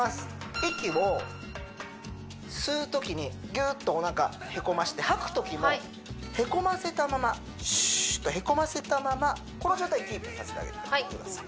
息を吸うときにギューッとおなかへこまして吐くときもへこませたままはいシューッとへこませたままこの状態キープさせてあげてください